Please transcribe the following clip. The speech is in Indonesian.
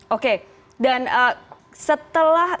oke dan setelah